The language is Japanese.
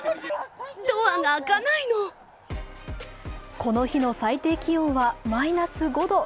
この日の最低気温はマイナス５度。